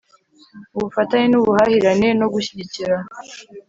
ubufatanye n'ubuhahirane no gushyigikira